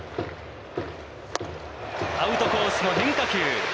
アウトコースの変化球。